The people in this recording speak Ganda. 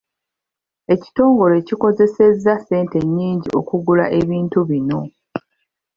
Ekitongole kikozeseza ssente nnyingi okugula ebintu bino.